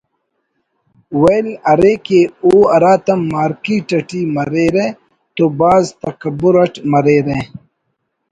ویل ارے کہ او ہراتم مارکیٹ اٹی مریرہ تو بھاز تکبر اٹ مریرہ